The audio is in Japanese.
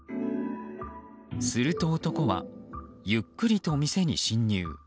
すると男は、ゆっくりと店に侵入。